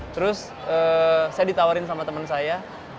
terus saya ditawarin sama teman saya